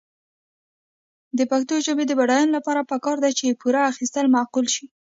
د پښتو ژبې د بډاینې لپاره پکار ده چې پور اخیستل معقول شي.